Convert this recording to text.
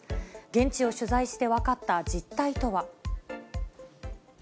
現地を取材して分かった実態とは。